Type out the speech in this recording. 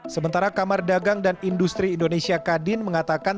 sementara kamar dagang dan industri indonesia kadin mengatakan